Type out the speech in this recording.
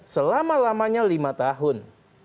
selama lamanya lima tahun